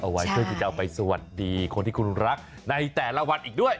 เอาไว้เพื่อที่จะเอาไปสวัสดีคนที่คุณรักในแต่ละวันอีกด้วย